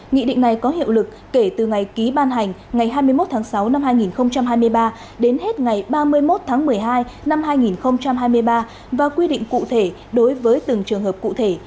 nghị định này có hiệu lực kể từ ngày ký ban hành ngày hai mươi một tháng sáu năm hai nghìn hai mươi ba đến hết ngày ba mươi một tháng một mươi hai năm hai nghìn hai mươi ba và quy định cụ thể đối với từng trường hợp cụ thể